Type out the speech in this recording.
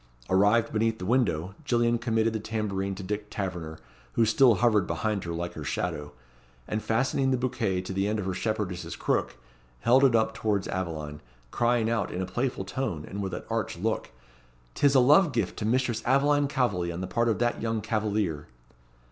Arrived beneath the window, Gillian committed the tambourine to Dick Taverner, who still hovered behind her like her shadow, and fastening the bouquet to the end of her shepherdess's crook held it up towards Aveline, crying out, in a playful tone, and with an arch look, "'Tis a love gift to Mistress Aveline Calveley on the part of that young cavalier."